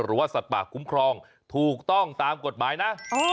สัตว์ป่าคุ้มครองถูกต้องตามกฎหมายนะ